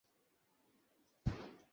মানুষের ক্ষতি হয়েছে তাতে।